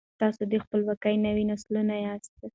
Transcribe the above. تاسو د خپلواکۍ نوي نسلونه یاست.